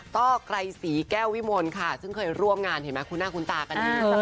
้อไกรศรีแก้ววิมลค่ะซึ่งเคยร่วมงานเห็นไหมคุณหน้าคุณตากันดี